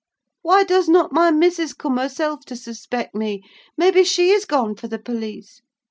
Why does not my missus come herself to suspect me? Maybe she is gone for the police?